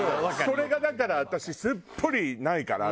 それがだから私すっぽりないから。